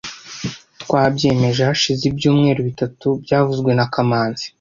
Twabyemeje hashize ibyumweru bitatu byavuzwe na kamanzi